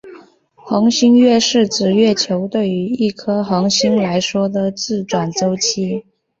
恒星月是指月球对于一颗恒星来说的自转周期。